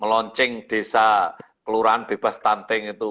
melonceng desa kelurahan bebas stunting itu